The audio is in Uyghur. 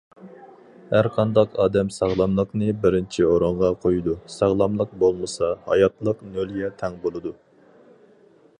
ھەر قانداق ئادەم ساغلاملىقنى بىرىنچى ئورۇنغا قويىدۇ، ساغلاملىق بولمىسا، ھاياتلىق نۆلگە تەڭ بولىدۇ.